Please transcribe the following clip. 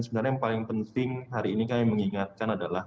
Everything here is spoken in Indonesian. sebenarnya yang paling penting hari ini kami mengingatkan adalah